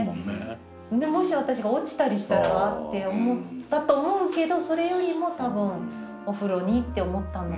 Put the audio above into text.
で「もし私が落ちたりしたら」って思ったと思うけどそれよりも多分「お風呂に」って思ったのかなっていうふうに思いますね。